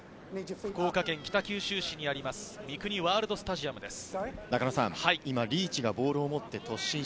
福岡県北九州市にあります、ミクニワールドスタジアムです。